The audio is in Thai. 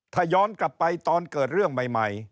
ถ้าย้อนกลับไปตอนเกิดเรื่องใหม่